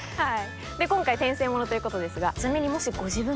今回転生ものということですがちなみに。